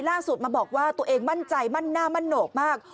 ล่าสุดมาบอกว่าตัวเองมั่นใจมั่นหน้ามั่นโหนกมาก